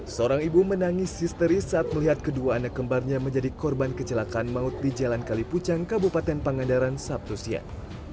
seorang ibu menangis histeris saat melihat kedua anak kembarnya menjadi korban kecelakaan maut di jalan kalipucang kabupaten pangandaran sabtu siang